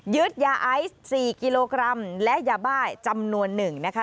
ยาไอซ์๔กิโลกรัมและยาบ้าจำนวนหนึ่งนะคะ